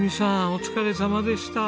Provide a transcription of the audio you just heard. お疲れさまでした。